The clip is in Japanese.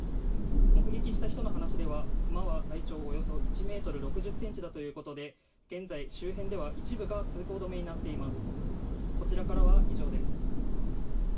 目撃した人の話ではクマは体長およそ１ｍ６０ｃｍだということで現在、周辺では一部が通行止めになっています。